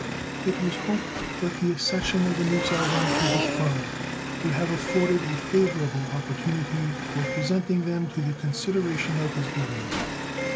It was hoped that the accession of a new Sovereign to the throne would have afforded a favorable opportunity for presenting them to the consideration of his Government.